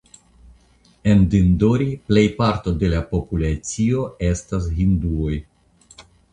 En Dindori plejparto de la populacio estas hinduoj.